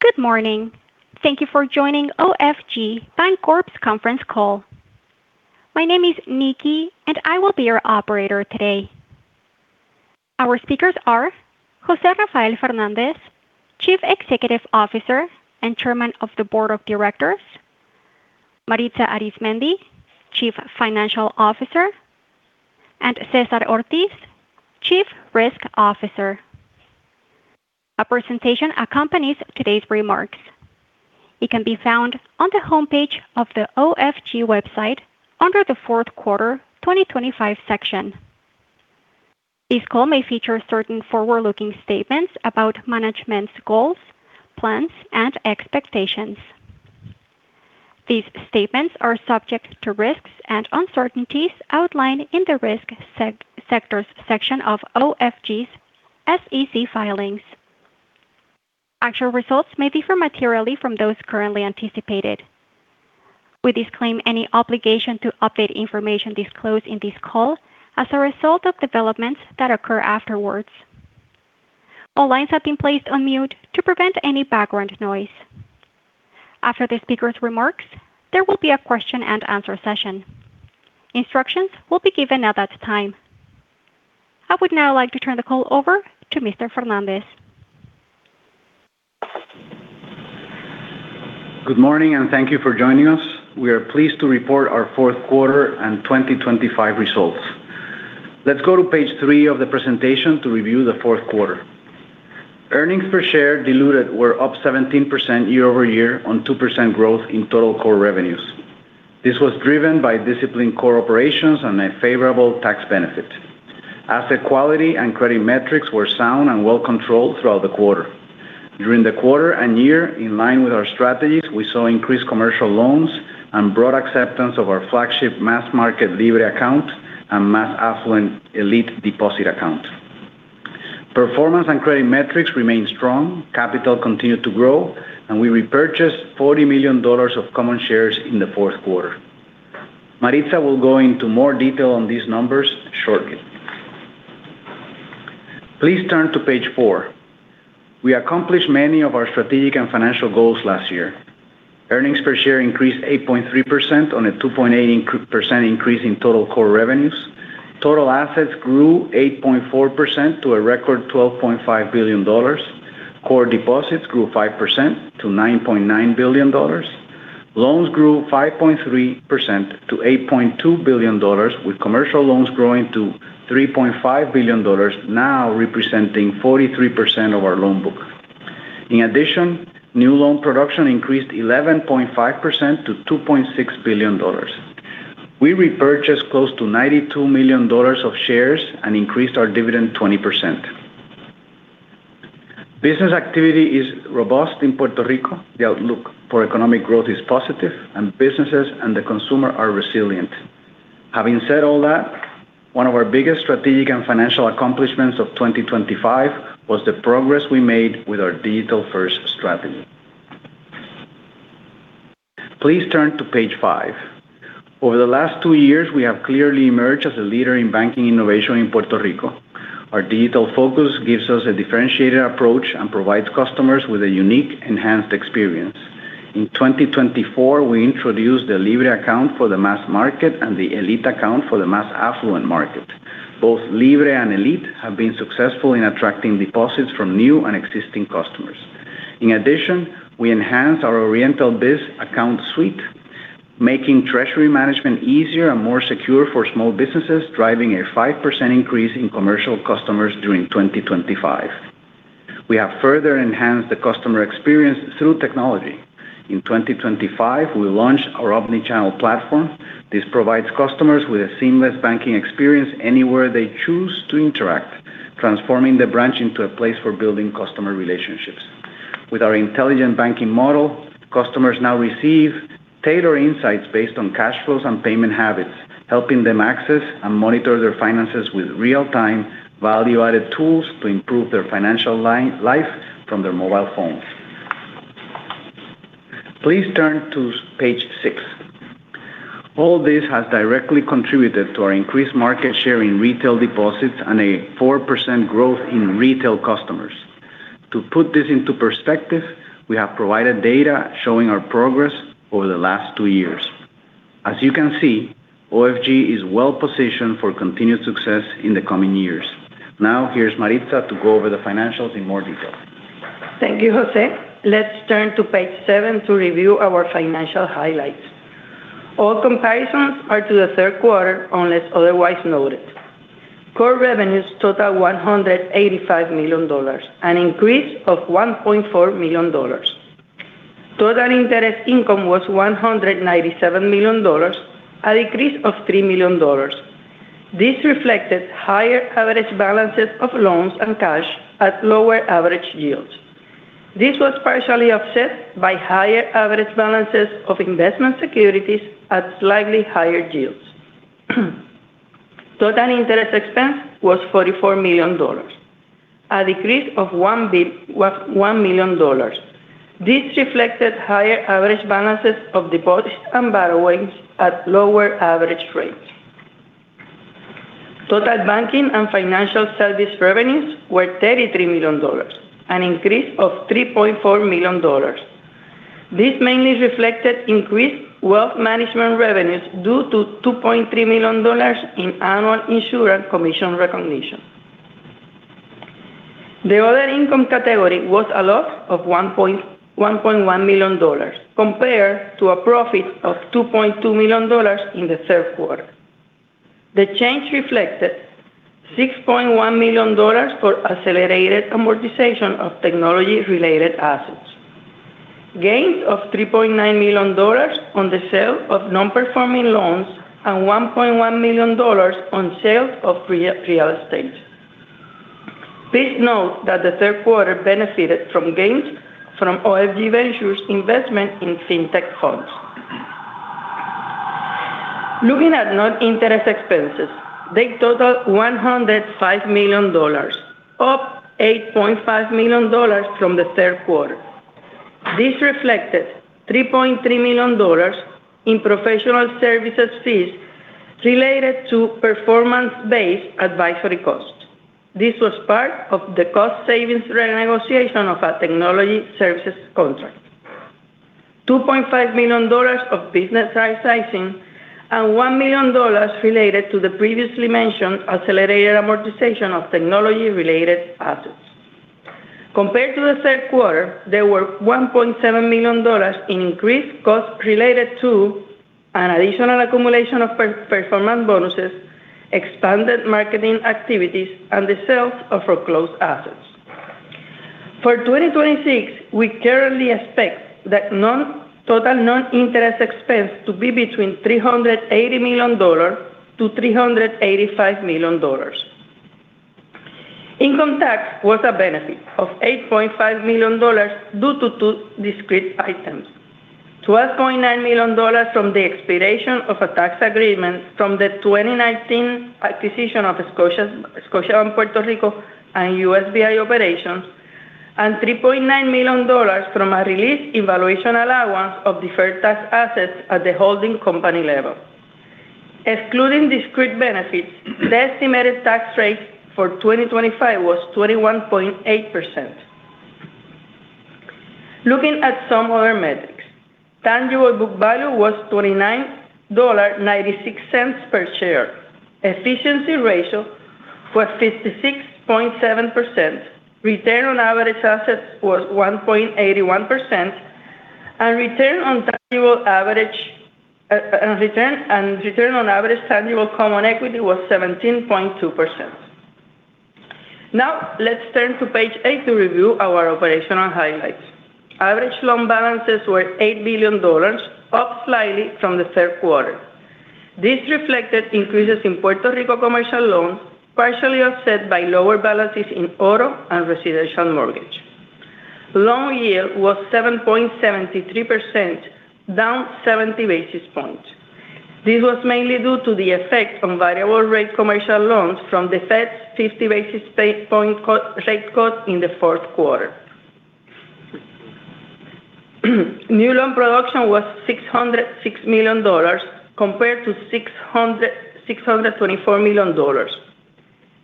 Good morning. Thank you for joining OFG Bancorp's conference call. My name is Nikki, and I will be your operator today. Our speakers are José Rafael Fernández, Chief Executive Officer and Chairman of the Board of Directors, Maritza Arizmendi, Chief Financial Officer, and César Ortiz, Chief Risk Officer. Our presentation accompanies today's remarks. It can be found on the homepage of the OFG website under the Fourth Quarter 2025 section. This call may feature certain forward-looking statements about management's goals, plans, and expectations. These statements are subject to risks and uncertainties outlined in the risk factors section of OFG's SEC filings. Actual results may differ materially from those currently anticipated. We disclaim any obligation to update information disclosed in this call as a result of developments that occur afterwards. All lines have been placed on mute to prevent any background noise. After the speaker's remarks, there will be a question-and-answer session. Instructions will be given at that time. I would now like to turn the call over to Mr. Fernández. Good morning, and thank you for joining us. We are pleased to report our Fourth Quarter and 2025 results. Let's go to page three of the presentation to review the Fourth Quarter. Earnings per share diluted were up 17% year-over-year on 2% growth in total core revenues. This was driven by disciplined core operations and a favorable tax benefit. Asset quality and credit metrics were sound and well-controlled throughout the quarter. During the quarter and year, in line with our strategies, we saw increased commercial loans and broad acceptance of our flagship mass-market Libre account and mass-affluent Elite deposit account. Performance and credit metrics remained strong. Capital continued to grow, and we repurchased $40 million of common shares in the Fourth Quarter. Maritza will go into more detail on these numbers shortly. Please turn to page four. We accomplished many of our strategic and financial goals last year. Earnings per share increased 8.3% on a 2.8% increase in total core revenues. Total assets grew 8.4% to a record $12.5 billion. Core deposits grew 5% to $9.9 billion. Loans grew 5.3% to $8.2 billion, with commercial loans growing to $3.5 billion, now representing 43% of our loan book. In addition, new loan production increased 11.5% to $2.6 billion. We repurchased close to $92 million of shares and increased our dividend 20%. Business activity is robust in Puerto Rico. The outlook for economic growth is positive, and businesses and the consumer are resilient. Having said all that, one of our biggest strategic and financial accomplishments of 2025 was the progress we made with our digital-first strategy. Please turn to page five. Over the last two years, we have clearly emerged as a leader in banking innovation in Puerto Rico. Our digital focus gives us a differentiated approach and provides customers with a unique, enhanced experience. In 2024, we introduced the Libre account for the mass market and the Elite account for the mass-affluent market. Both Libre and Elite have been successful in attracting deposits from new and existing customers. In addition, we enhanced our Oriental Biz account suite, making treasury management easier and more secure for small businesses, driving a 5% increase in commercial customers during 2025. We have further enhanced the customer experience through technology. In 2025, we launched our omnichannel platform. This provides customers with a seamless banking experience anywhere they choose to interact, transforming the branch into a place for building customer relationships. With our intelligent banking model, customers now receive tailored insights based on cash flows and payment habits, helping them access and monitor their finances with real-time value-added tools to improve their financial life from their mobile phones. Please turn to page six. All this has directly contributed to our increased market share in retail deposits and a 4% growth in retail customers. To put this into perspective, we have provided data showing our progress over the last two years. As you can see, OFG is well-positioned for continued success in the coming years. Now, here's Maritza to go over the financials in more detail. Thank you, José. Let's turn to page seven to review our financial highlights. All comparisons are to the third quarter unless otherwise noted. Core revenues total $185 million, an increase of $1.4 million. Total interest income was $197 million, a decrease of $3 million. This reflected higher average balances of loans and cash at lower average yields. This was partially offset by higher average balances of investment securities at slightly higher yields. Total interest expense was $44 million, a decrease of $1 million. This reflected higher average balances of deposits and borrowings at lower average rates. Total banking and financial service revenues were $33 million, an increase of $3.4 million. This mainly reflected increased wealth management revenues due to $2.3 million in annual insurance commission recognition. The other income category was a loss of $1.1 million, compared to a profit of $2.2 million in the third quarter. The change reflected $6.1 million for accelerated amortization of technology-related assets, gains of $3.9 million on the sale of non-performing loans, and $1.1 million on sales of real estate. Please note that the third quarter benefited from gains from OFG Ventures' investment in fintech funds. Looking at noninterest expenses, they totaled $105 million, up $8.5 million from the third quarter. This reflected $3.3 million in professional services fees related to performance-based advisory costs. This was part of the cost savings renegotiation of a technology services contract, $2.5 million of business sizing, and $1 million related to the previously mentioned accelerated amortization of technology-related assets. Compared to the third quarter, there were $1.7 million in increased costs related to an additional accumulation of performance bonuses, expanded marketing activities, and the sales of foreclosed assets. For 2026, we currently expect the total non-interest expense to be between $380 million-$385 million. Income tax was a benefit of $8.5 million due to two discrete items: $12.9 million from the expiration of a tax agreement from the 2019 acquisition of Scotiabank Puerto Rico and USVI operations, and $3.9 million from a released evaluation allowance of deferred tax assets at the holding company level. Excluding discrete benefits, the estimated tax rate for 2025 was 21.8%. Looking at some other metrics, tangible book value was $29.96 per share. Efficiency ratio was 56.7%. Return on average assets was 1.81%, and return on tangible average tangible common equity was 17.2%. Now, let's turn to page eight to review our operational highlights. Average loan balances were $8 billion, up slightly from the third quarter. This reflected increases in Puerto Rico commercial loans, partially offset by lower balances in auto and residential mortgage. Loan yield was 7.73%, down 70 basis points. This was mainly due to the effect on variable-rate commercial loans from the Fed's 50 basis point rate cut in the fourth quarter. New loan production was $606 million, compared to $624 million.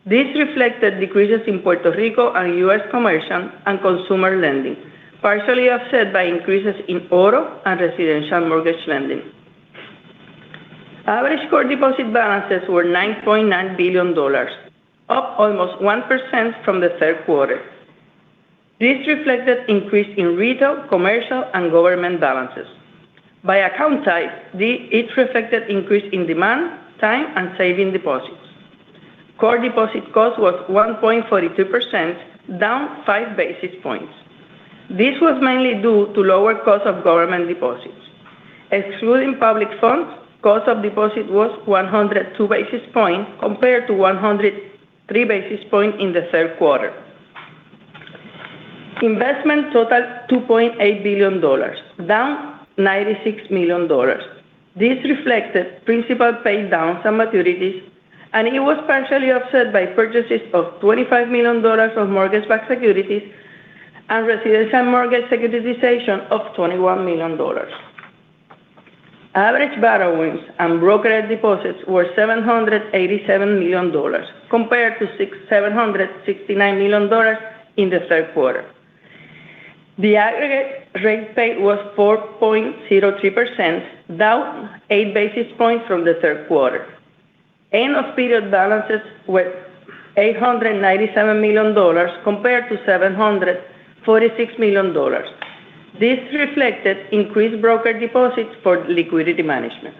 This reflected decreases in Puerto Rico and U.S. commercial and consumer lending, partially offset by increases in auto and residential mortgage lending. Average core deposit balances were $9.9 billion, up almost 1% from the third quarter. This reflected increases in retail, commercial, and government balances. By account type, it reflected increases in demand, time, and savings deposits. Core deposit cost was 1.42%, down 5 basis points. This was mainly due to lower cost of government deposits. Excluding public funds, cost of deposit was 102 basis points compared to 103 basis points in the third quarter. Investment totaled $2.8 billion, down $96 million. This reflected principal paid downs and maturities, and it was partially offset by purchases of $25 million of mortgage-backed securities and residential mortgage securitization of $21 million. Average borrowings and brokered deposits were $787 million, compared to $769 million in the third quarter. The aggregate rate paid was 4.03%, down 8 basis points from the third quarter. End-of-period balances were $897 million, compared to $746 million. This reflected increased brokered deposits for liquidity management.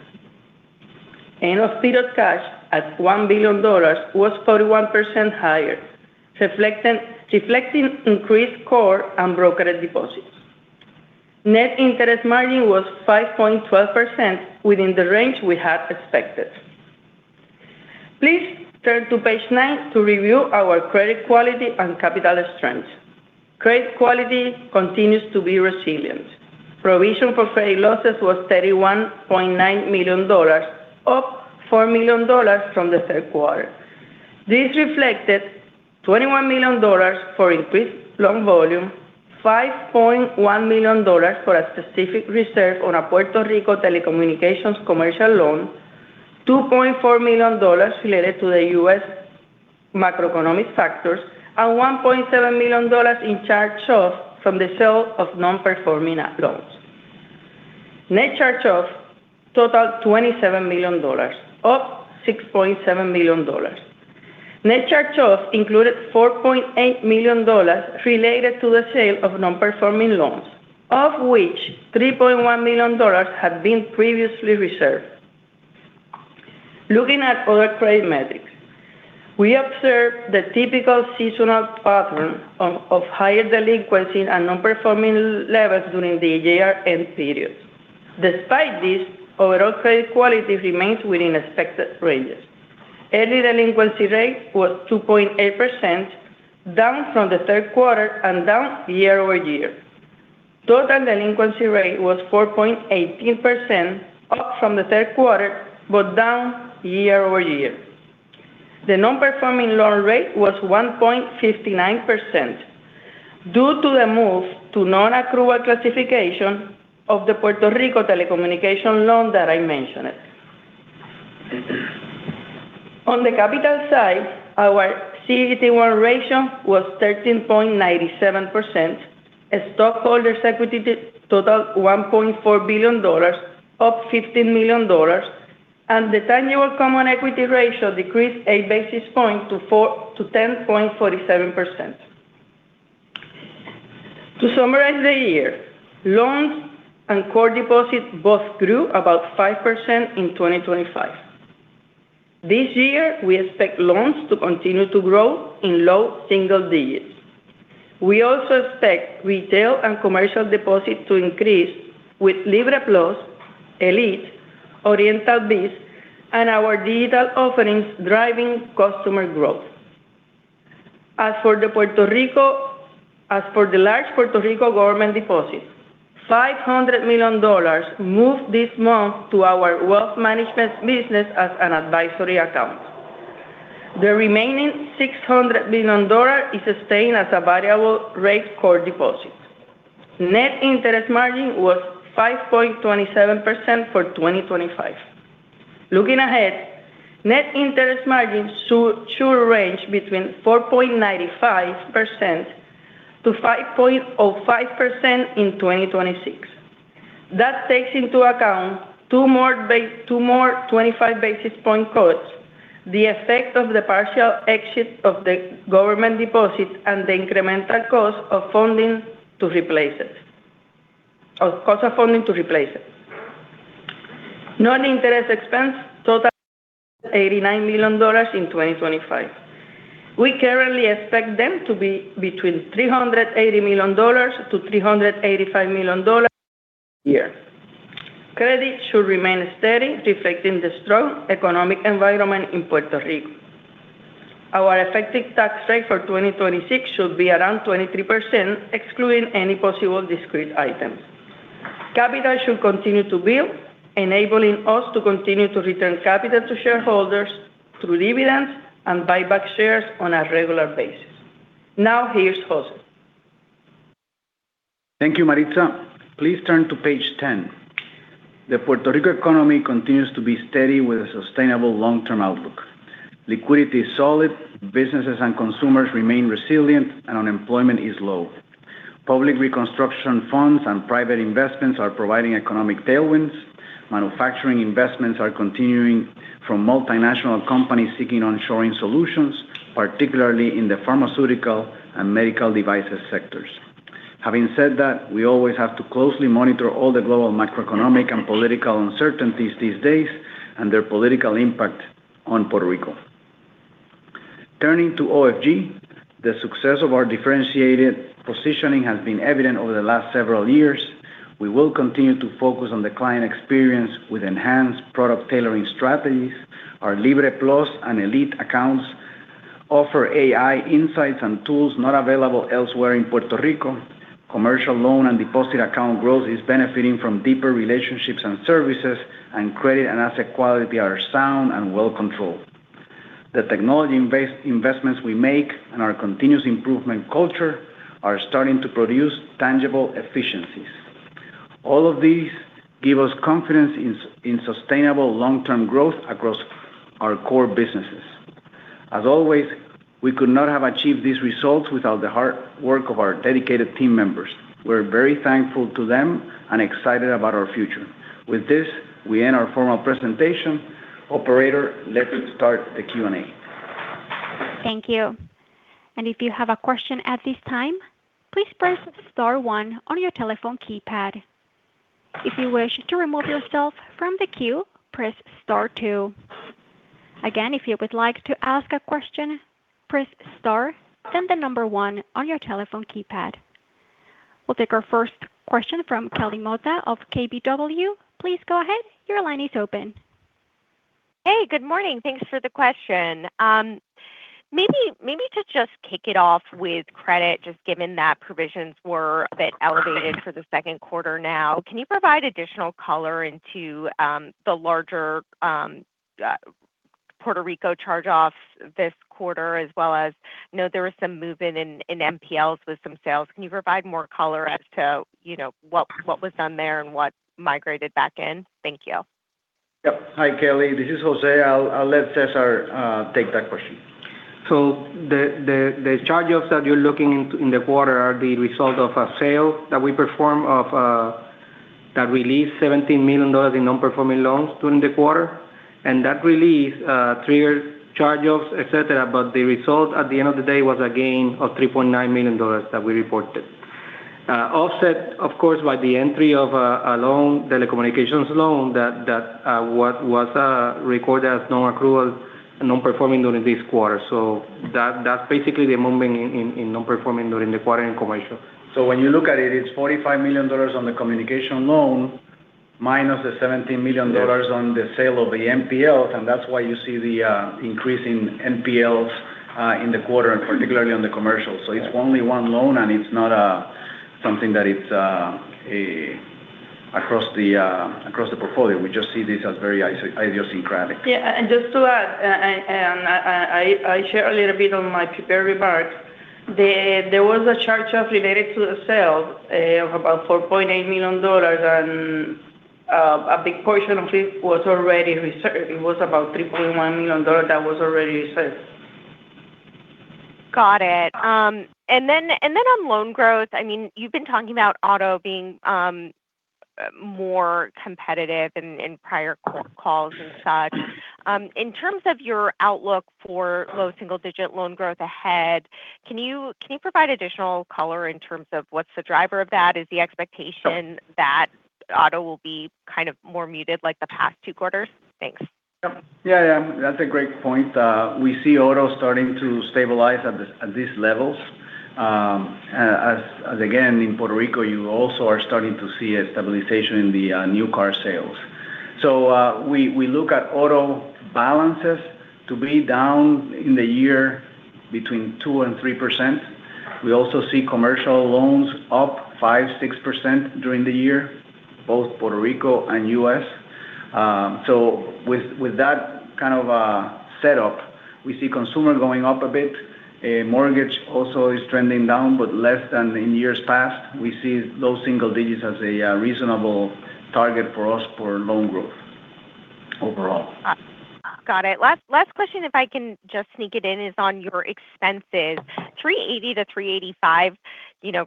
End-of-period cash at $1 billion was 41% higher, reflecting increased core and brokered deposits. Net interest margin was 5.12% within the range we had expected. Please turn to page nine to review our credit quality and capital strength. Credit quality continues to be resilient. Provision for credit losses was $31.9 million, up $4 million from the third quarter. This reflected $21 million for increased loan volume, $5.1 million for a specific reserve on a Puerto Rico telecommunications commercial loan, $2.4 million related to the U.S. macroeconomic factors, and $1.7 million in charge-offs from the sale of non-performing loans. Net charge-offs totaled $27 million, up $6.7 million. Net charge-offs included $4.8 million related to the sale of non-performing loans, of which $3.1 million had been previously reserved. Looking at other credit metrics, we observed the typical seasonal pattern of higher delinquency and non-performing levels during the year-end period. Despite this, overall credit quality remains within expected ranges. Early delinquency rate was 2.8%, down from the third quarter and down year-over-year. Total delinquency rate was 4.18%, up from the third quarter, but down year-over-year. The non-performing loan rate was 1.59% due to the move to non-accrual classification of the Puerto Rico telecommunication loan that I mentioned. On the capital side, our CET1 ratio was 13.97%. Stockholders' equity totaled $1.4 billion, up $15 million, and the tangible common equity ratio decreased 8 basis points to 10.47%. To summarize the year, loans and core deposits both grew about 5% in 2025. This year, we expect loans to continue to grow in low single digits. We also expect retail and commercial deposits to increase with Libre Plus, Elite, Oriental Biz, and our digital offerings driving customer growth. As for the large Puerto Rico government deposits, $500 million moved this month to our wealth management business as an advisory account. The remaining $600 million is sustained as a variable-rate core deposit. Net interest margin was 5.27% for 2025. Looking ahead, net interest margin should range between 4.95%-5.05% in 2026. That takes into account two more 25 basis points costs, the effect of the partial exit of the government deposits, and the incremental cost of funding to replace it. Non-interest expense totaled $89 million in 2025. We currently expect them to be between $380 million-$385 million per year. Credit should remain steady, reflecting the strong economic environment in Puerto Rico. Our effective tax rate for 2026 should be around 23%, excluding any possible discrete items. Capital should continue to build, enabling us to continue to return capital to shareholders through dividends and buyback shares on a regular basis. Now, here's José. Thank you, Maritza. Please turn to page 10. The Puerto Rico economy continues to be steady with a sustainable long-term outlook. Liquidity is solid. Businesses and consumers remain resilient, and unemployment is low. Public reconstruction funds and private investments are providing economic tailwinds. Manufacturing investments are continuing from multinational companies seeking onshoring solutions, particularly in the pharmaceutical and medical devices sectors. Having said that, we always have to closely monitor all the global macroeconomic and political uncertainties these days and their political impact on Puerto Rico. Turning to OFG, the success of our differentiated positioning has been evident over the last several years. We will continue to focus on the client experience with enhanced product tailoring strategies. Our Libre Plus and Elite accounts offer AI insights and tools not available elsewhere in Puerto Rico. Commercial loan and deposit account growth is benefiting from deeper relationships and services, and credit and asset quality are sound and well controlled. The technology investments we make and our continuous improvement culture are starting to produce tangible efficiencies. All of these give us confidence in sustainable long-term growth across our core businesses. As always, we could not have achieved these results without the hard work of our dedicated team members. We're very thankful to them and excited about our future. With this, we end our formal presentation. Operator, let's start the Q&A. Thank you. And if you have a question at this time, please press star one on your telephone keypad. If you wish to remove yourself from the queue, press star two. Again, if you would like to ask a question, press star, then the number one on your telephone keypad. We'll take our first question from Kelly Motta of KBW. Please go ahead. Your line is open. Hey, good morning. Thanks for the question. Maybe to just kick it off with credit, just given that provisions were a bit elevated for the second quarter now, can you provide additional color into the larger Puerto Rico charge-offs this quarter, as well as I know there was some movement in NPLs with some sales. Can you provide more color as to what was done there and what migrated back in? Thank you. Yep. Hi, Kelly. This is José. I'll let César take that question. So the charge-offs that you're looking into in the quarter are the result of a sale that we performed that released $17 million in non-performing loans during the quarter. And that release triggered charge-offs, etc., but the result at the end of the day was a gain of $3.9 million that we reported. Offset, of course, by the entry of a loan, telecommunications loan, that was recorded as non-accrual and non-performing during this quarter. So that's basically the movement in non-performing during the quarter in commercial. So when you look at it, it's $45 million on the communication loan minus the $17 million on the sale of the NPLs, and that's why you see the increase in NPLs in the quarter, and particularly on the commercial. So it's only one loan, and it's not something that it's across the portfolio. We just see this as very idiosyncratic. Yeah, and just to add, I shared a little bit in my prepared remarks, there was a charge-off related to the sale of about $4.8 million, and a big portion of it was already reserved. It was about $3.1 million that was already reserved. Got it. And then on loan growth, I mean, you've been talking about auto being more competitive in prior calls and such. In terms of your outlook for low single-digit loan growth ahead, can you provide additional color in terms of what's the driver of that? Is the expectation that auto will be kind of more muted like the past two quarters? Thanks. Yep. Yeah, yeah. That's a great point. We see auto starting to stabilize at these levels. Again, in Puerto Rico, you also are starting to see a stabilization in the new car sales. So we look at auto balances to be down in the year between 2% and 3%. We also see commercial loans up 5%-6% during the year, both Puerto Rico and US. So with that kind of setup, we see consumer going up a bit. Mortgage also is trending down, but less than in years past. We see low single digits as a reasonable target for us for loan growth overall. Got it. Last question, if I can just sneak it in, is on your expenses. 380-385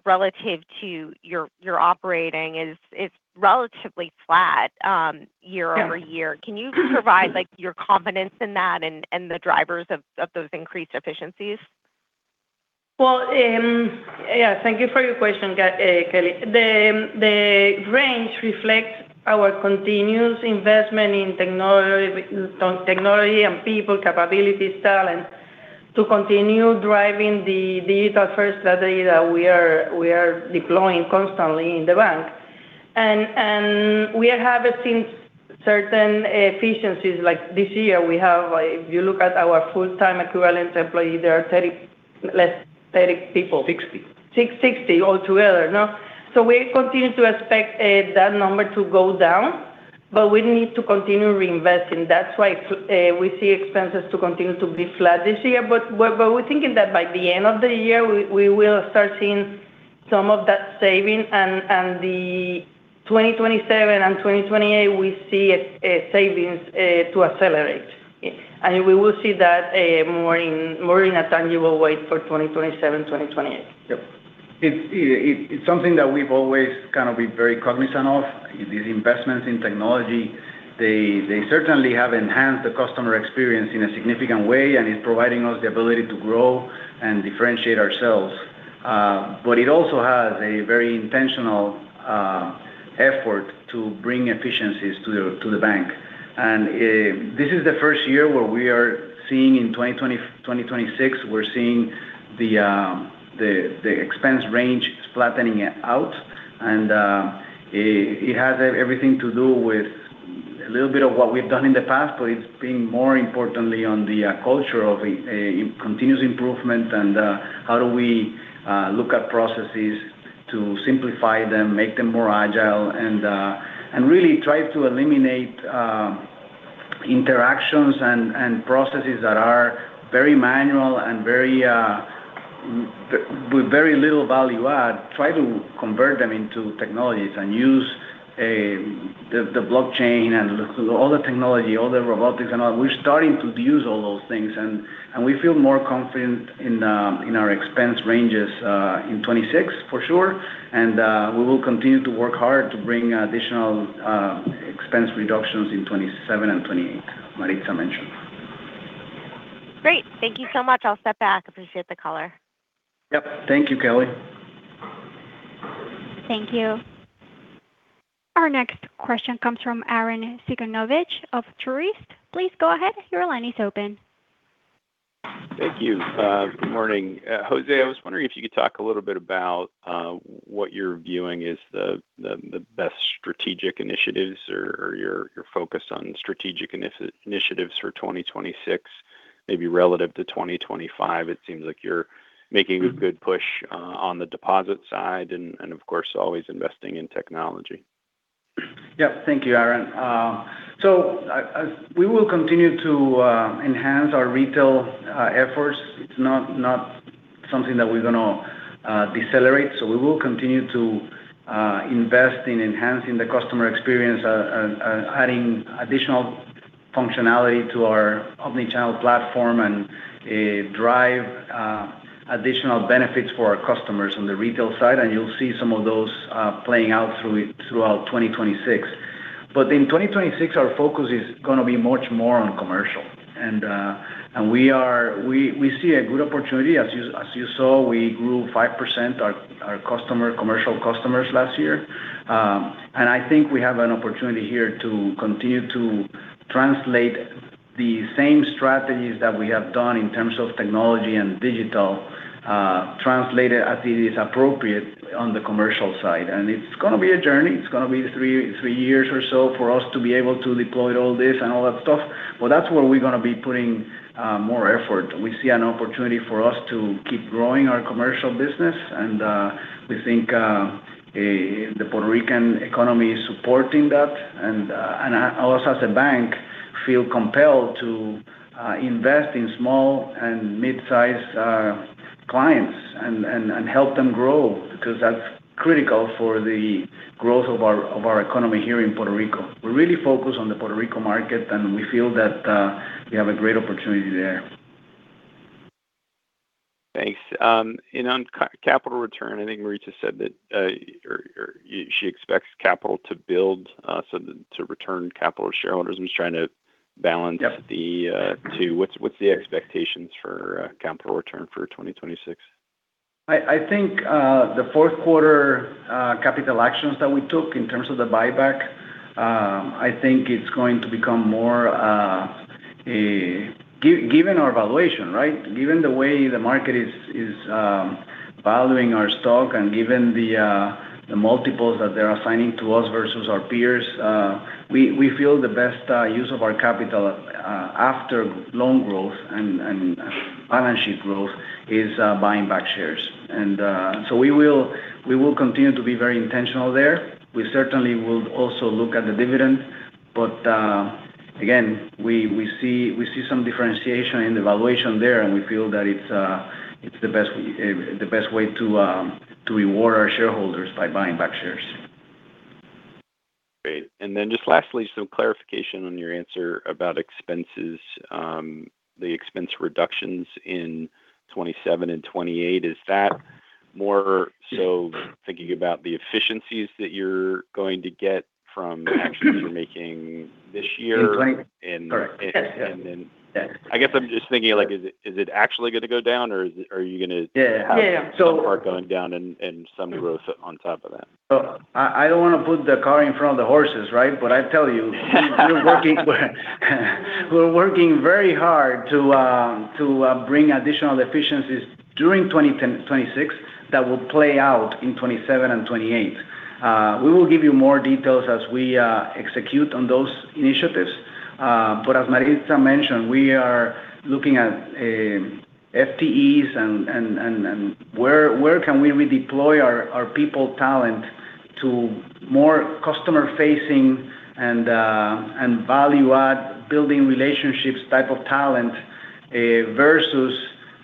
relative to your operating is relatively flat year-over-year. Can you provide your confidence in that and the drivers of those increased efficiencies? Well, yeah, thank you for your question, Kelly. The range reflects our continuous investment in technology and people, capabilities, talent to continue driving the digital-first strategy that we are deploying constantly in the bank, and we have seen certain efficiencies. Like this year, we have, if you look at our full-time equivalent employees, there are 30 less, 30 people. 60. 60 altogether, no, so we continue to expect that number to go down, but we need to continue reinvesting. That's why we see expenses to continue to be flat this year, but we're thinking that by the end of the year, we will start seeing some of that saving, and the 2027 and 2028, we see savings to accelerate, and we will see that more in a tangible way for 2027, 2028. Yep. It's something that we've always kind of been very cognizant of. These investments in technology, they certainly have enhanced the customer experience in a significant way, and it's providing us the ability to grow and differentiate ourselves. But it also has a very intentional effort to bring efficiencies to the bank. And this is the first year where we are seeing in 2026, we're seeing the expense range flattening out. And it has everything to do with a little bit of what we've done in the past, but it's been more importantly on the culture of continuous improvement and how do we look at processes to simplify them, make them more agile, and really try to eliminate interactions and processes that are very manual and with very little value-add, try to convert them into technologies and use the blockchain and all the technology, all the robotics and all. We're starting to use all those things, and we feel more confident in our expense ranges in 2026, for sure, and we will continue to work hard to bring additional expense reductions in 2027 and 2028, Maritza mentioned. Great. Thank you so much. I'll step back. Appreciate the color. Yep. Thank you, Kelly. Thank you. Our next question comes from Arren Cyganovich of Truist Securities. Please go ahead. Your line is open. Thank you. Good morning. José, I was wondering if you could talk a little bit about what you're viewing as the best strategic initiatives or your focus on strategic initiatives for 2026, maybe relative to 2025. It seems like you're making a good push on the deposit side and, of course, always investing in technology. Yep. Thank you, Arren. So we will continue to enhance our retail efforts. It's not something that we're going to decelerate. So we will continue to invest in enhancing the customer experience, adding additional functionality to our omnichannel platform, and drive additional benefits for our customers on the retail side. And you'll see some of those playing out throughout 2026. But in 2026, our focus is going to be much more on commercial. And we see a good opportunity. As you saw, we grew 5% our commercial customers last year. And I think we have an opportunity here to continue to translate the same strategies that we have done in terms of technology and digital, translate it as it is appropriate on the commercial side. And it's going to be a journey. It's going to be three years or so for us to be able to deploy all this and all that stuff. But that's where we're going to be putting more effort. We see an opportunity for us to keep growing our commercial business. And we think the Puerto Rican economy is supporting that. And us as a bank feel compelled to invest in small and mid-sized clients and help them grow because that's critical for the growth of our economy here in Puerto Rico. We're really focused on the Puerto Rico market, and we feel that we have a great opportunity there. Thanks. And on capital return, I think Maritza said that she expects capital to build to return capital to shareholders. I'm just trying to balance the two. What's the expectations for capital return for 2026? I think the fourth quarter capital actions that we took in terms of the buyback, I think it's going to become more given our valuation, right? Given the way the market is valuing our stock and given the multiples that they're assigning to us versus our peers, we feel the best use of our capital after long growth and balance sheet growth is buying back shares. And so we will continue to be very intentional there. We certainly will also look at the dividend. But again, we see some differentiation in the valuation there, and we feel that it's the best way to reward our shareholders by buying back shares. Great. And then just lastly, some clarification on your answer about expenses, the expense reductions in 2027 and 2028. Is that more so thinking about the efficiencies that you're going to get from actions you're making this year? In 2020. Correct. Yes. Yes. And then I guess I'm just thinking, is it actually going to go down, or are you going to have some part going down and some growth on top of that? I don't want to put the car in front of the horses, right? But I tell you, we're working very hard to bring additional efficiencies during 2026 that will play out in 2027 and 2028. We will give you more details as we execute on those initiatives. But as Maritza mentioned, we are looking at FTEs and where can we redeploy our people, talent to more customer-facing and value-add, building relationships type of talent versus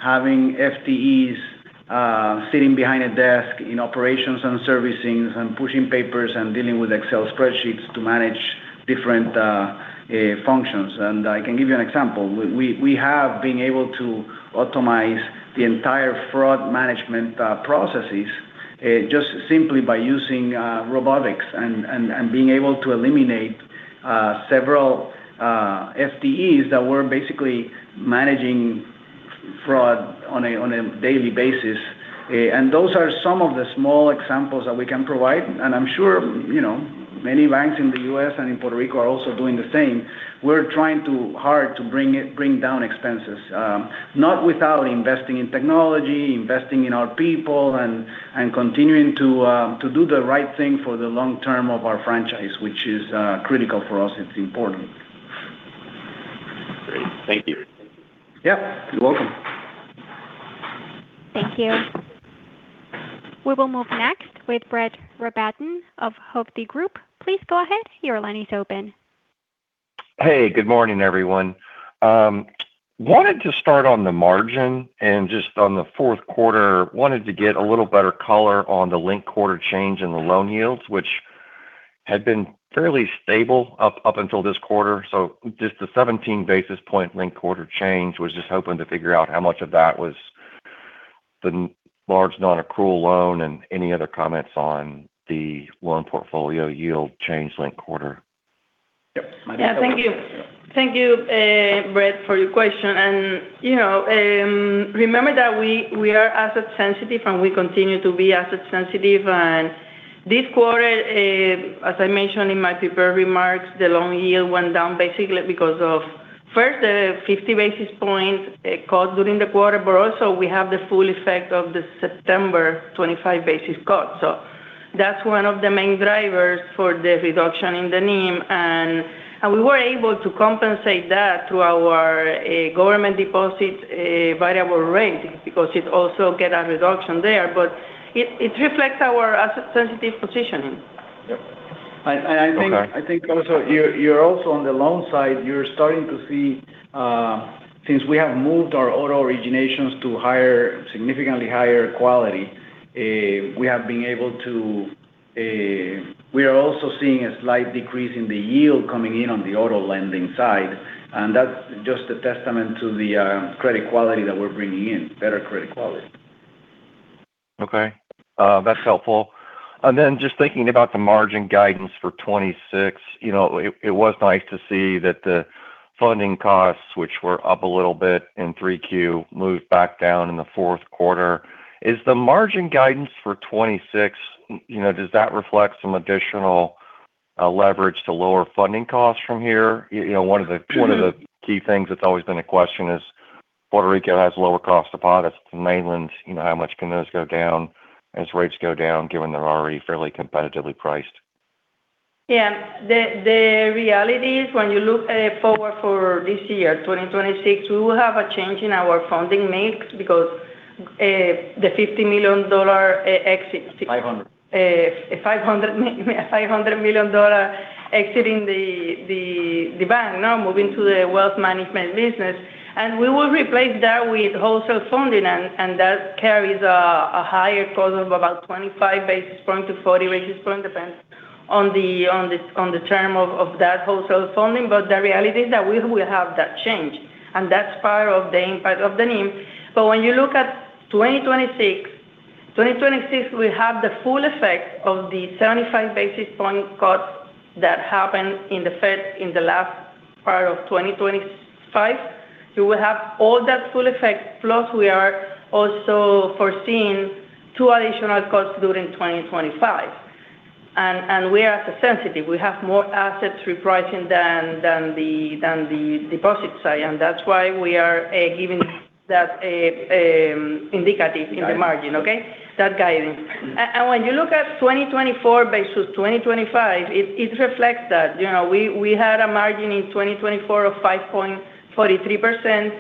having FTEs sitting behind a desk in operations and servicing and pushing papers and dealing with Excel spreadsheets to manage different functions. And I can give you an example. We have been able to optimize the entire fraud management processes just simply by using robotics and being able to eliminate several FTEs that were basically managing fraud on a daily basis. And those are some of the small examples that we can provide. I'm sure many banks in the U.S. and in Puerto Rico are also doing the same. We're trying hard to bring down expenses, not without investing in technology, investing in our people, and continuing to do the right thing for the long term of our franchise, which is critical for us. It's important. Great. Thank you. Yep. You're welcome. Thank you. We will move next with Brett Rabatin of Hovde Group. Please go ahead. Your line is open. Hey, good morning, everyone. Wanted to start on the margin and just on the fourth quarter, wanted to get a little better color on the linked quarter change in the loan yields, which had been fairly stable up until this quarter. So just the 17 basis points linked quarter change. Was just hoping to figure out how much of that was the large non-accrual loan and any other comments on the loan portfolio yield change linked quarter. Yep. Yeah. Thank you. Thank you, Brett, for your question. Remember that we are asset sensitive, and we continue to be asset sensitive. This quarter, as I mentioned in my prepared remarks, the loan yield went down basically because of, first, the 50 basis point cut during the quarter, but also we have the full effect of the September 25 basis point cut. So that's one of the main drivers for the reduction in the NIM. We were able to compensate that through our government deposit variable rate because it also got a reduction there. But it reflects our asset sensitive positioning. Yep. And I think you're also on the loan side. You're starting to see, since we have moved our auto originations to significantly higher quality, we are also seeing a slight decrease in the yield coming in on the auto lending side. And that's just a testament to the credit quality that we're bringing in, better credit quality. Okay. That's helpful, and then just thinking about the margin guidance for 2026, it was nice to see that the funding costs, which were up a little bit in 3Q, moved back down in the fourth quarter. Is the margin guidance for 2026? Does that reflect some additional leverage to lower funding costs from here? One of the key things that's always been a question is Puerto Rico has lower cost deposits. The mainlands, how much can those go down as rates go down given they're already fairly competitively priced? Yeah. The reality is when you look forward for this year, 2026, we will have a change in our funding mix because the $50 million exit. 500. $500 million exiting the bank, now moving to the wealth management business. We will replace that with wholesale funding. That carries a higher cost of about 25-40 basis points depending on the term of that wholesale funding. The reality is that we will have that change. That's part of the impact of the NIM. When you look at 2026, 2026, we have the full effect of the 75 basis points cuts that happened in the Fed in the last part of 2025. You will have all that full effect. Plus, we are also foreseeing two additional cuts during 2025. We are asset sensitive. We have more assets repricing than the deposit side. That's why we are giving that indicative in the margin, okay? That guidance. When you look at 2024 versus 2025, it reflects that. We had a margin in 2024 of 5.43%.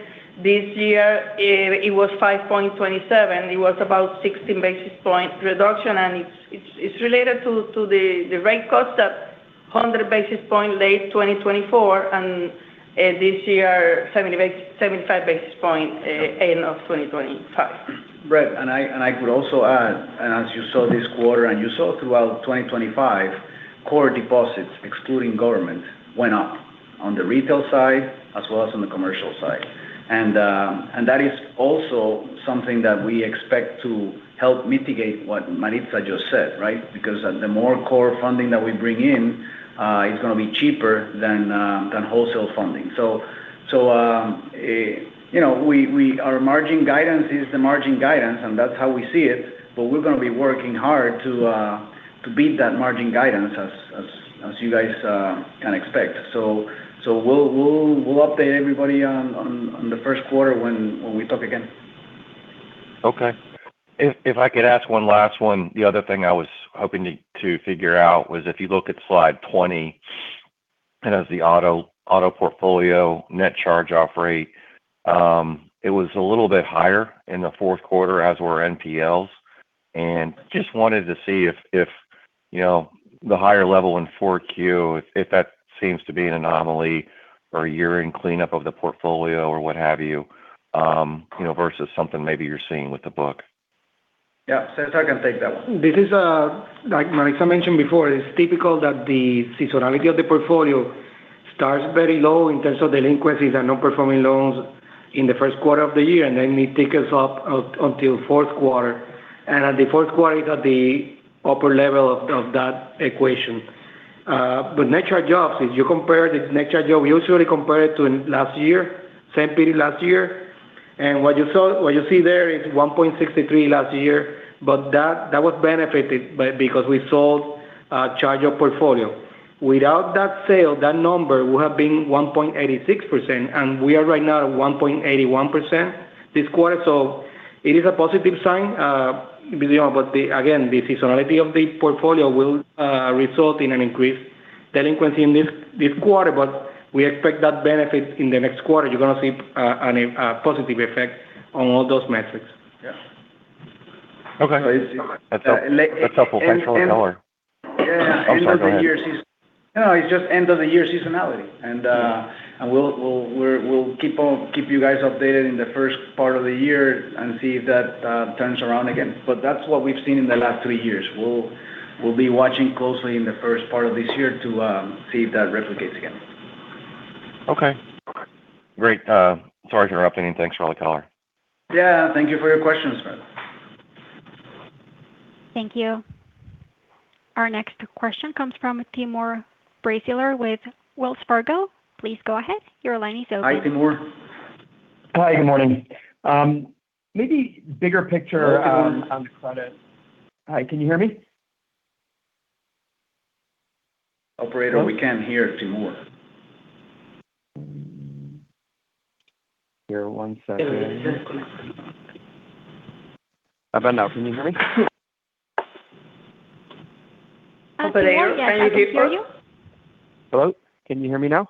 This year, it was 5.27%. It was about 16 basis points reduction. And it's related to the rate cuts that 100 basis points late 2024 and this year, 75 basis points end of 2025. Brett, and I could also add, and as you saw this quarter and you saw throughout 2025, core deposits, excluding government, went up on the retail side as well as on the commercial side. And that is also something that we expect to help mitigate what Maritza just said, right? Because the more core funding that we bring in, it's going to be cheaper than wholesale funding. So our margin guidance is the margin guidance, and that's how we see it. But we're going to be working hard to beat that margin guidance as you guys can expect. So we'll update everybody on the first quarter when we talk again. Okay. If I could ask one last one, the other thing I was hoping to figure out was if you look at slide 20, it has the auto portfolio net charge-off rate. It was a little bit higher in the fourth quarter as were NPLs, and just wanted to see if the higher level in 4Q, if that seems to be an anomaly or a year-end cleanup of the portfolio or what have you versus something maybe you're seeing with the book. Yep. César, you can take that one. This is, like Maritza mentioned before, it's typical that the seasonality of the portfolio starts very low in terms of delinquencies and non-performing loans in the first quarter of the year, and then it ticks up until fourth quarter, and at the fourth quarter, it's at the upper level of that equation, but net charge-offs, if you compare the net charge-off, we usually compare it to last year, same period last year, and what you see there is 1.63% last year, but that was benefited because we sold charge-off portfolio. Without that sale, that number would have been 1.86%. And we are right now at 1.81% this quarter, so it is a positive sign, but again, the seasonality of the portfolio will result in an increased delinquency in this quarter, but we expect that benefit in the next quarter. You're going to see a positive effect on all those metrics. Yeah. Okay. That's helpful. Thanks for the color. Yeah. End of the year season. No, it's just end of the year seasonality. And we'll keep you guys updated in the first part of the year and see if that turns around again. But that's what we've seen in the last three years. We'll be watching closely in the first part of this year to see if that replicates again. Okay. Great. Sorry to interrupt anything. Thanks for all the color. Yeah. Thank you for your questions, Brett. Thank you. Our next question comes from Timur Braziler with Wells Fargo. Please go ahead. Your line is open. Hi, Timur. Hi, good morning. Maybe bigger picture on the credit. Hi, can you hear me? Operator, we can't hear Timur. Here, one second. I've been out. Can you hear me? Okay. Are you able to hear you? Hello? Can you hear me now?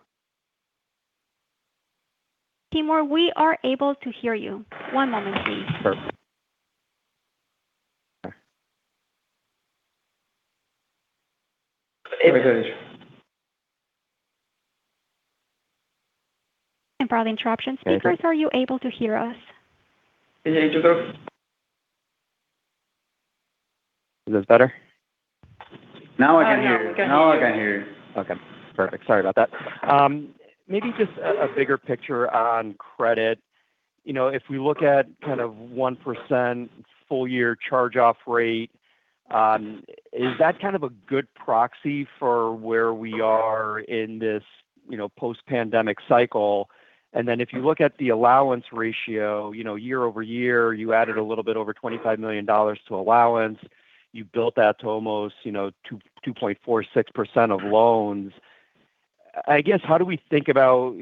Timur, we are able to hear you. One moment, please. Perfect. Have a good. For all the interruptions, speakers, are you able to hear us? Is it better? Now I can hear you. Now I can hear you. Okay. Perfect. Sorry about that. Maybe just a bigger picture on credit. If we look at kind of 1% full year charge-off rate, is that kind of a good proxy for where we are in this post-pandemic cycle? And then if you look at the allowance ratio, year-over-year, you added a little bit over $25 million to allowance. You built that to almost 2.46% of loans. I guess, how do we think about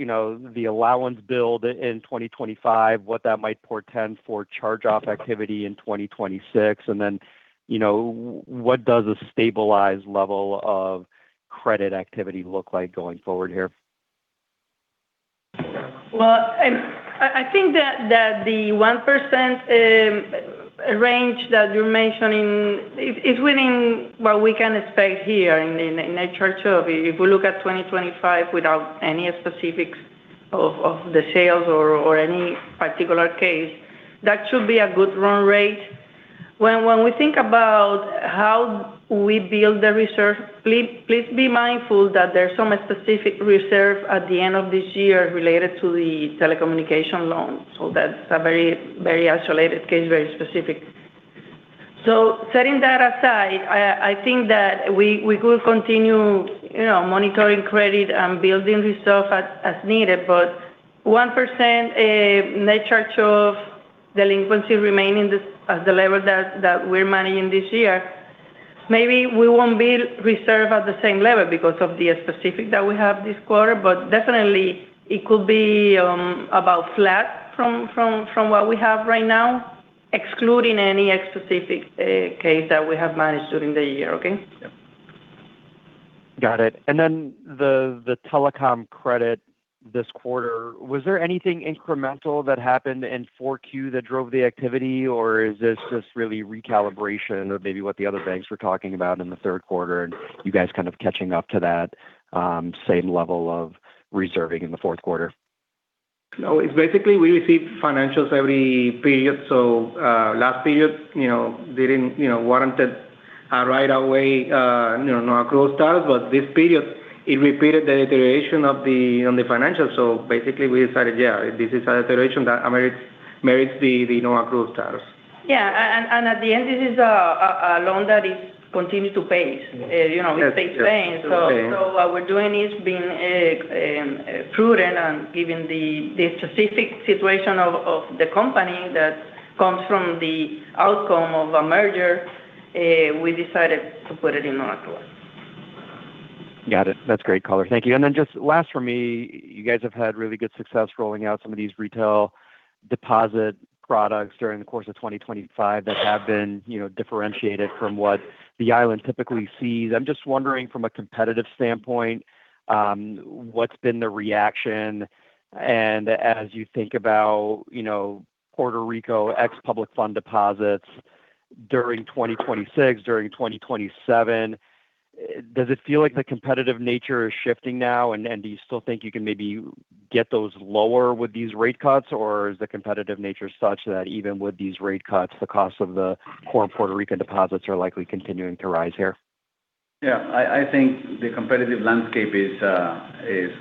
the allowance build in 2025, what that might portend for charge-off activity in 2026? And then what does a stabilized level of credit activity look like going forward here? I think that the 1% range that you're mentioning is within what we can expect here in net charge-off. If we look at 2025 without any specifics of the sales or any particular case, that should be a good run rate. When we think about how we build the reserve, please be mindful that there's some specific reserve at the end of this year related to the telecommunication loan. So that's a very isolated case, very specific. So setting that aside, I think that we could continue monitoring credit and building reserve as needed. But 1% net charge-off delinquency remaining at the level that we're managing this year, maybe we won't build reserve at the same level because of the specifics that we have this quarter. But definitely, it could be about flat from what we have right now, excluding any specific case that we have managed during the year, okay? Got it. And then the telecom credit this quarter, was there anything incremental that happened in 4Q that drove the activity, or is this just really recalibration of maybe what the other banks were talking about in the third quarter and you guys kind of catching up to that same level of reserving in the fourth quarter? No. It's basically we receive financials every period. So last period, they didn't warrant right away non-accrual status. But this period, it repeated the deterioration on the financials. So basically, we decided, yeah, this is a deterioration that merits the non-accrual status. Yeah, and at the end, this is a loan that continues to pay. It pays. So what we're doing is being prudent, and given the specific situation of the company that comes from the outcome of a merger, we decided to put it in non-accrual. Got it. That's great color. Thank you. And then just last for me, you guys have had really good success rolling out some of these retail deposit products during the course of 2025 that have been differentiated from what the island typically sees. I'm just wondering, from a competitive standpoint, what's been the reaction? And as you think about Puerto Rico exempt public fund deposits during 2026, during 2027, does it feel like the competitive nature is shifting now? And do you still think you can maybe get those lower with these rate cuts? Or is the competitive nature such that even with these rate cuts, the cost of the core Puerto Rican deposits are likely continuing to rise here? Yeah. I think the competitive landscape is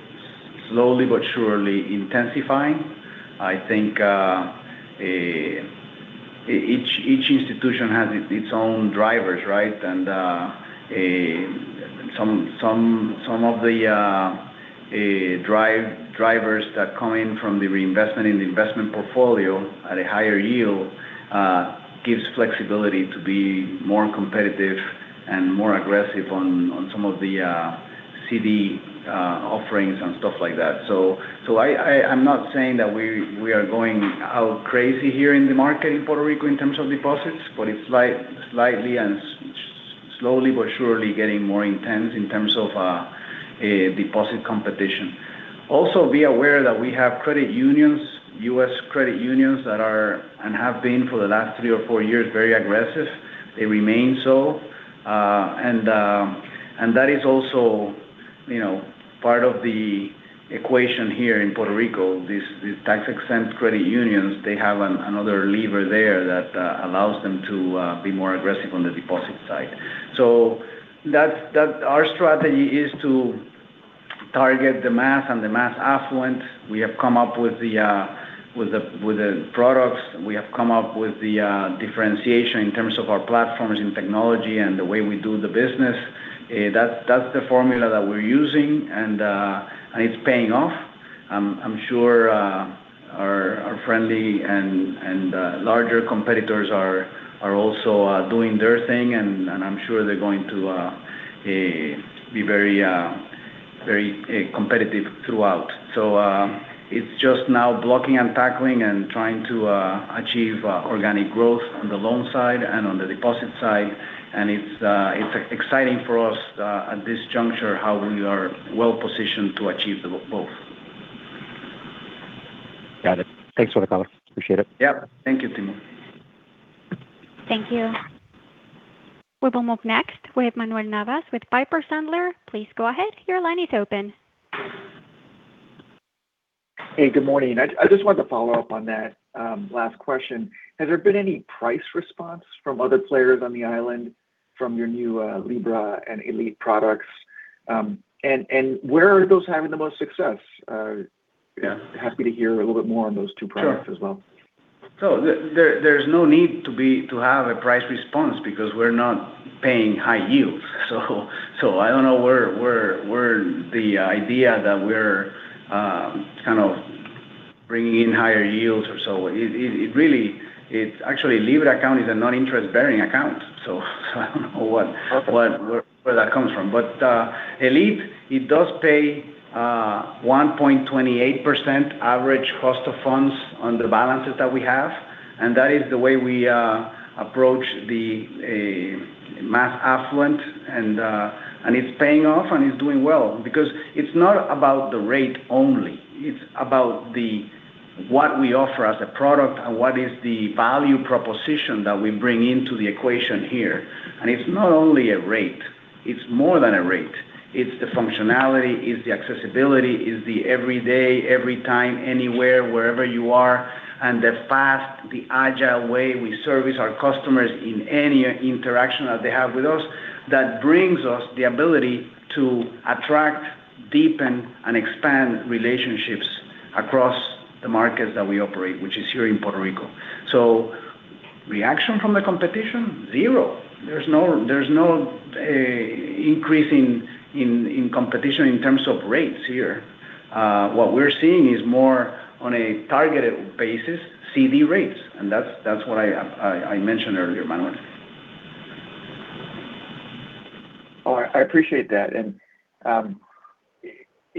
slowly but surely intensifying. I think each institution has its own drivers, right? And some of the drivers that come in from the reinvestment in the investment portfolio at a higher yield gives flexibility to be more competitive and more aggressive on some of the CD offerings and stuff like that. So I'm not saying that we are going out crazy here in the market in Puerto Rico in terms of deposits, but it's slightly and slowly but surely getting more intense in terms of deposit competition. Also, be aware that we have credit unions, US credit unions that are and have been for the last three or four years very aggressive. They remain so. And that is also part of the equation here in Puerto Rico, these tax-exempt credit unions. They have another lever there that allows them to be more aggressive on the deposit side. So our strategy is to target the mass and the mass affluent. We have come up with the products. We have come up with the differentiation in terms of our platforms and technology and the way we do the business. That's the formula that we're using. And it's paying off. I'm sure our friendly and larger competitors are also doing their thing. And I'm sure they're going to be very competitive throughout. So it's just now blocking and tackling and trying to achieve organic growth on the loan side and on the deposit side. And it's exciting for us at this juncture how we are well positioned to achieve both. Got it. Thanks for the color. Appreciate it. Yep. Thank you, Timur. Thank you. We will move next with Manuel Navas with Piper Sandler. Please go ahead. Your line is open. Hey, good morning. I just wanted to follow up on that last question. Has there been any price response from other players on the island from your new Libre and Elite products? And where are those having the most success? Happy to hear a little bit more on those two products as well. Sure. So there's no need to have a price response because we're not paying high yields. So I don't know where the idea that we're kind of bringing in higher yields or so. It's actually Libre account is a non-interest-bearing account. So I don't know where that comes from. But Elite, it does pay 1.28% average cost of funds on the balances that we have. And that is the way we approach the mass-affluent. And it's paying off, and it's doing well. Because it's not about the rate only. It's about what we offer as a product and what is the value proposition that we bring into the equation here. And it's not only a rate. It's more than a rate. It's the functionality. It's the accessibility. It's the every day, every time, anywhere, wherever you are. And the fast, the agile way we service our customers in any interaction that they have with us that brings us the ability to attract, deepen, and expand relationships across the markets that we operate, which is here in Puerto Rico. So reaction from the competition? Zero. There's no increase in competition in terms of rates here. What we're seeing is more on a targeted basis, CD rates. And that's what I mentioned earlier, Manuel. I appreciate that and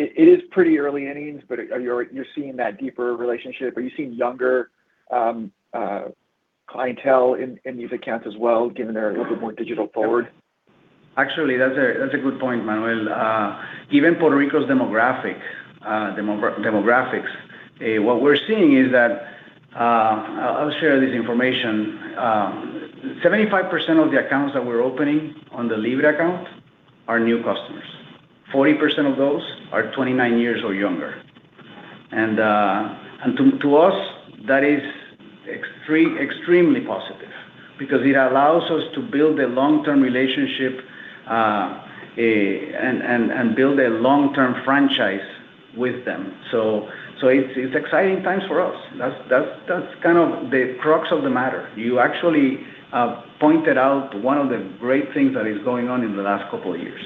it is pretty early innings, but you're seeing that deeper relationship. Are you seeing younger clientele in these accounts as well, given they're a little bit more digital forward? Actually, that's a good point, Manuel. Given Puerto Rico's demographics, what we're seeing is that I'll share this information. 75% of the accounts that we're opening on the Libre account are new customers. 40% of those are 29 years or younger. And to us, that is extremely positive because it allows us to build a long-term relationship and build a long-term franchise with them. So it's exciting times for us. That's kind of the crux of the matter. You actually pointed out one of the great things that is going on in the last couple of years.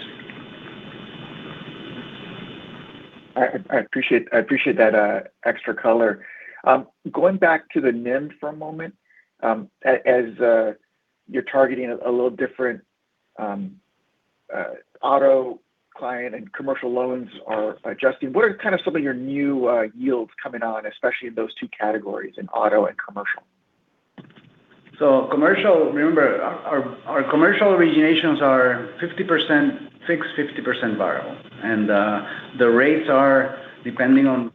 I appreciate that extra color. Going back to the NIM for a moment, as you're targeting a little different auto client and commercial loans are adjusting, what are kind of some of your new yields coming on, especially in those two categories in auto and commercial? So remember, our commercial originations are 50% fixed, 50% variable. And the rates are depending on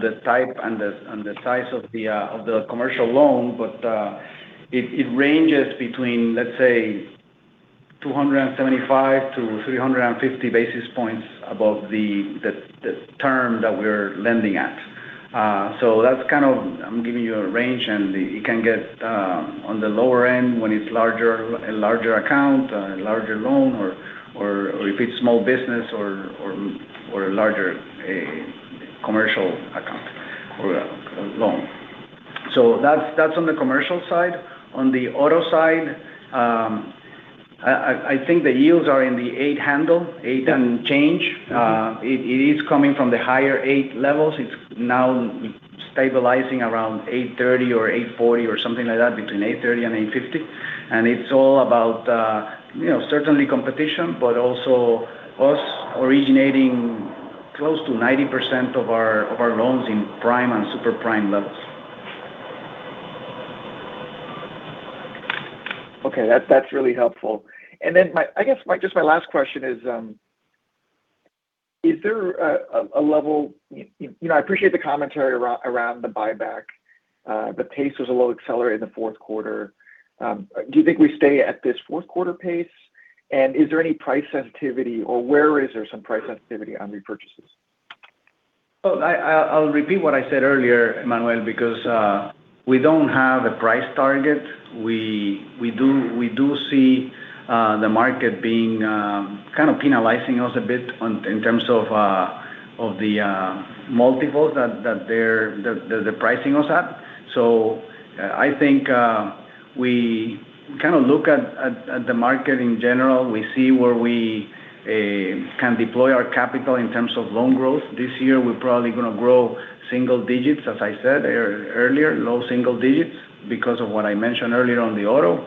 the type and the size of the commercial loan, but it ranges between, let's say, 275-350 basis points above the term that we're lending at. So that's kind of I'm giving you a range, and it can get on the lower end when it's a larger account, a larger loan, or if it's small business or a larger commercial account or loan. So that's on the commercial side. On the auto side, I think the yields are in the eight handle, eight and change. It is coming from the higher eight levels. It's now stabilizing around 830 or 840 or something like that, between 830 and 850. And it's all about certainly competition, but also us originating close to 90% of our loans in prime and super prime levels. Okay. That's really helpful. And then I guess just my last question is, is there a level? I appreciate the commentary around the buyback. The pace was a little accelerated in the fourth quarter. Do you think we stay at this fourth quarter pace? And is there any price sensitivity, or where is there some price sensitivity on repurchases? I'll repeat what I said earlier, Manuel, because we don't have a price target. We do see the market being kind of penalizing us a bit in terms of the multiples that they're pricing us at. I think we kind of look at the market in general. We see where we can deploy our capital in terms of loan growth. This year, we're probably going to grow single digits, as I said earlier, low single digits because of what I mentioned earlier on the auto.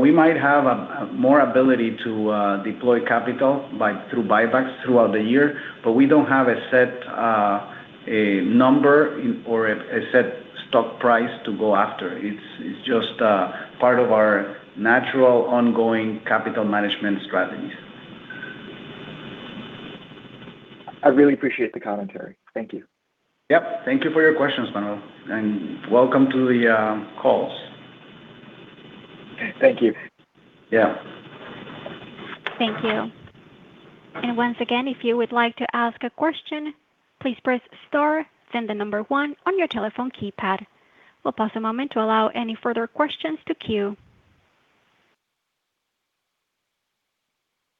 We might have more ability to deploy capital through buybacks throughout the year, but we don't have a set number or a set stock price to go after. It's just part of our natural ongoing capital management strategies. I really appreciate the commentary. Thank you. Yep. Thank you for your questions, Manuel, and welcome to the calls. Thank you. Yeah. Thank you, and once again, if you would like to ask a question, please press star, then the number one on your telephone keypad. We'll pause a moment to allow any further questions to queue,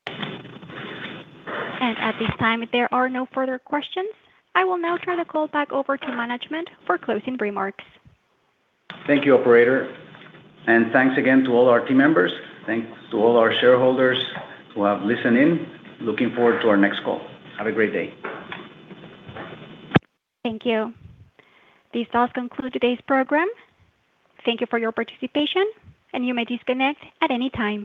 and at this time, if there are no further questions, I will now turn the call back over to management for closing remarks. Thank you, operator. And thanks again to all our team members. Thanks to all our shareholders who have listened in. Looking forward to our next call. Have a great day. Thank you. This does conclude today's program. Thank you for your participation, and you may disconnect at any time.